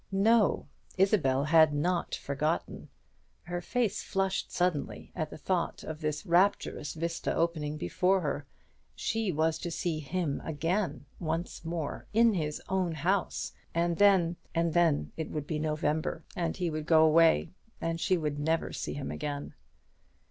No, Isabel had not forgotten; her face flushed suddenly at the thought of this rapturous vista opening before her. She was to see him again, once more, in his own house, and then and then it would be November, and he would go away, and she would never see him again.